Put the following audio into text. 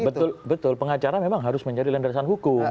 ya betul betul pengacara memang harus menjadi landasan hukum